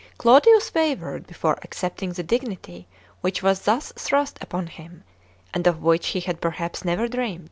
Claudius wavered before accepting the dignity which was thus thrust upon him and of which he had perhaps never dreamt.